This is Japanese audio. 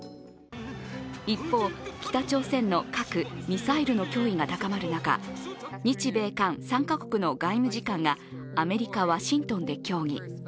一方、北朝鮮の核・ミサイルの脅威が高まる中、日米韓３か国の外務次官がアメリカ・ワシントンで協議。